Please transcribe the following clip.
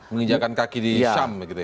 menginjakan kaki di syam gitu ya